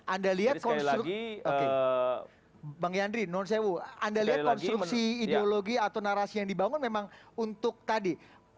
anda lihat konstruksi ideologi atau narasi yang dibangun memang untuk tadi